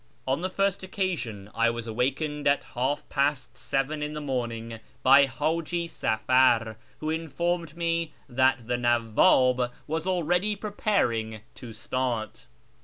On the first occasion I was awakened at half past seven in the morning by Haji Safar, who informed me that the Nawwab was already preparing to start.